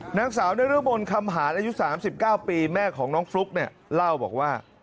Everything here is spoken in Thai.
หนังสาวนรุมนธรรมหาดอายุ๓๙ปีแม่ของน้องฟลุ๊กเล่าบอกว่า